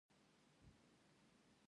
دا د راتلونکي لپاره خطر دی.